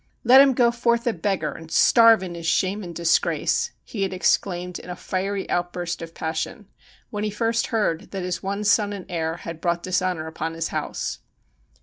' Let him go forth a beggar, and starve in his shame and disgrace,' he had exclaimed in a fiery outburst of passion when he first heard that his one son and heir had brought dishonour upon his house.